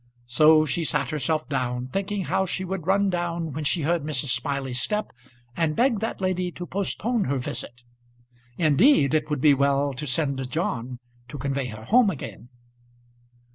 So she sat herself down, thinking how she would run down when she heard Mrs. Smiley's step, and beg that lady to postpone her visit. Indeed it would be well to send John to convey her home again.